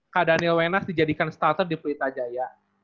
kak daniel wenas dijadikan starter di pelita jaya